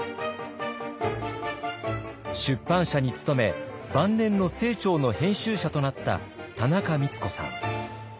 出版社に勤め晩年の清張の編集者となった田中光子さん。